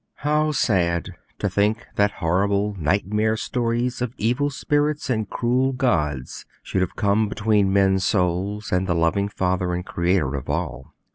How sad to think that horrible nightmare stories of evil spirits and cruel gods should have come between men's souls and the loving Father and Creator of all!